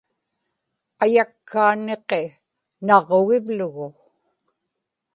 ayakkaa niqi naġġugivlugu